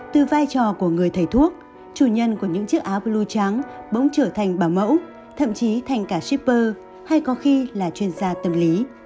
từ vai trò của người thầy thuốc chủ nhân của những chiếc áo blue trắng bỗng trở thành bảo mẫu thậm chí thành cả shipper hay có khi là chuyên gia tâm lý